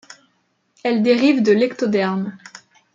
Elle dérive de l'ectoderme.